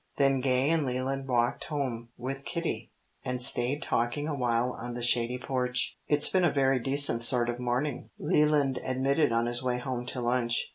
Then Gay and Leland walked home with Kitty, and stayed talking awhile on the shady porch. "It's been a very decent sort of morning," Leland admitted on his way home to lunch.